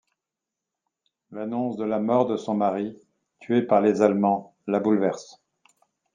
L’annonce de la mort de son mari, tué par les Allemands la bouleverse.